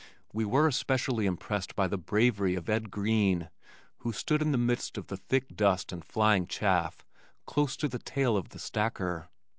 We were especially impressed by the bravery of Ed Green who stood in the midst of the thick dust and flying chaff close to the tail of the stacker.